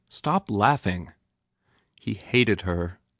Stop laughing!" He hated her.